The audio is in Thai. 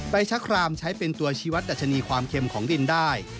ชะครามใช้เป็นตัวชีวัตรดัชนีความเค็มของดินได้